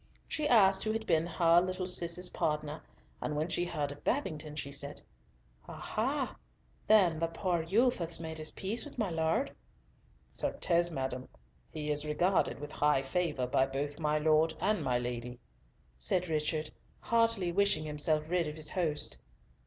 She asked who had been "her little Cis's partner," and when she heard of Babington, she said, "Ah ha, then, the poor youth has made his peace with my Lord?" "Certes, madam, he is regarded with high favour by both my Lord and my Lady," said Richard, heartily wishing himself rid of his host.